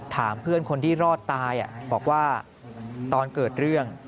ถามเพื่อนคนที่รอดตายบอกว่าตอนเกิดเรื่อง